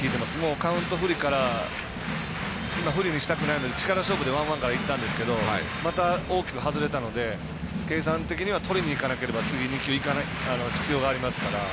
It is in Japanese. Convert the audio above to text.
カウント不利から今、不利にしたくないので力勝負でワンワンからいったんですけどまた大きく外れたので計算的には次２球取りにいく必要がありますから。